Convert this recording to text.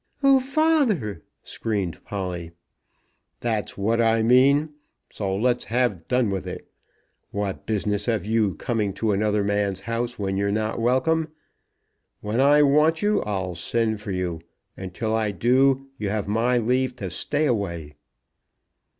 "Oh, father!" screamed Polly. "That's what I mean, so let's have done with it. What business have you coming to another man's house when you're not welcome? When I want you I'll send for you; and till I do you have my leave to stay away."